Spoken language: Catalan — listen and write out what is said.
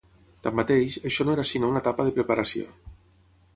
Tanmateix, això no era sinó una etapa de preparació.